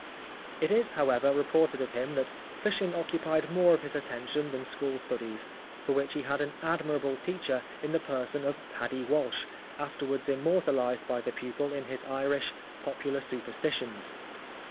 It is, however, reported of him that " fishing occupied more of his attention than school studies, for which he had an admirable teacher 9 The Life of Oscar Wilde in the person of Paddy Walsh, afterwards im mortalised by the pupil in his Irish '' Popular Superstitions."